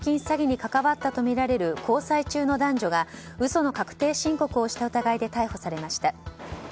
詐欺に関わったとみられる交際中の男女が嘘の確定申告をした疑いで逮捕されました。